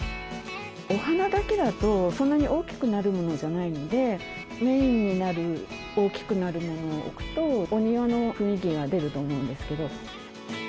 お花だけだとそんなに大きくなるものじゃないのでメインになる大きくなるものを置くとお庭の雰囲気が出ると思うんですけど。